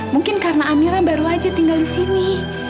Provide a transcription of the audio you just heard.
mungkin karena amira baru aja tinggal di sini